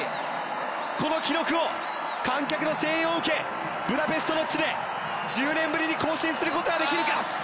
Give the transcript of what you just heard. この記録を観客の声援を受けブダペストの地で１０年ぶりに更新することはできるか。